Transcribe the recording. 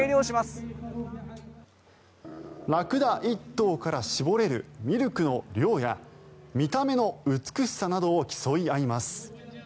１頭から搾れるミルクの量や見た目の美しさなどを競い合います。